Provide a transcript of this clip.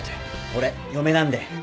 俺嫁なんで